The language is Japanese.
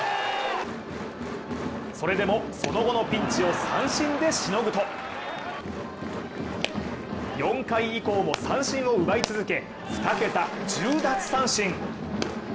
それでも、その後のピンチを三振でしのぐと４回以降も三振を奪い続け２桁１０奪三振。